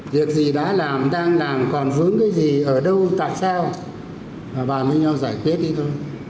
việc gì đã làm đang làm còn vướng cái gì ở đâu tại sao bàn với nhau giải quyết đi thôi